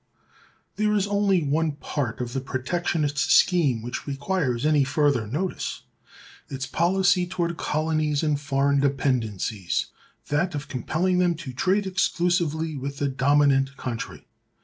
There is only one part of the protectionist scheme which requires any further notice: its policy toward colonies and foreign dependencies; that of compelling them to trade exclusively with the dominant country.